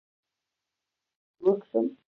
ایا زه باید ورک شم؟